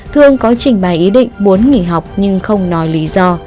thương có trình bày ý định muốn nghỉ học nhưng không nói lý do